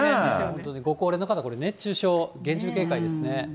本当にご高齢の方、熱中症厳重警戒ですね。